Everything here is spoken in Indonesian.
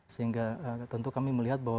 sehingga tentu kami melihat bahwa